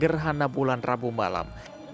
gerhana bulan rabu malam